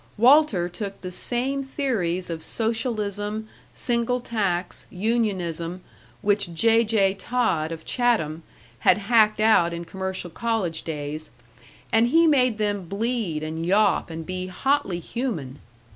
Walter took the same theories of socialism, single tax, unionism, which J. J. Todd, of Chatham, had hacked out in commercial college days, and he made them bleed and yawp and be hotly human.